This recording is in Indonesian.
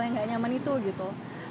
yang nggak nyaman itu gitu